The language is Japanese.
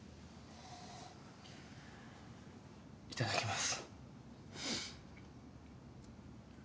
いただきます。